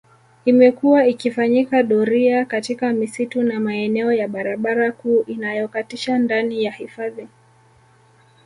Imekuwa ikifanyika doria katika misitu na maeneo ya barabara kuu inayokatisha ndani ya hifadhi